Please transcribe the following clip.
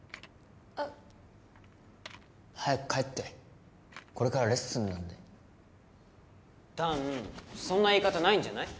あっ早く帰ってこれからレッスンなんで弾そんな言い方ないんじゃない？